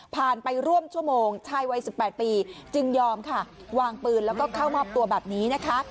ไปร่วมชั่วโมงชายวัย๑๘ปีจึงยอมค่ะวางปืนแล้วก็เข้ามอบตัวแบบนี้นะคะ